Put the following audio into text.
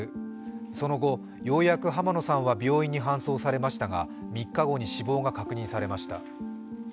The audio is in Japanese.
その後、ようやく濱野さんは病院に搬送されましたが３日後に死亡が確認されました。